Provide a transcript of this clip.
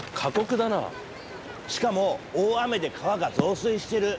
しかも大雨で川が増水してる。